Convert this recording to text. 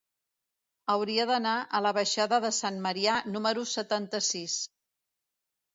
Hauria d'anar a la baixada de Sant Marià número setanta-sis.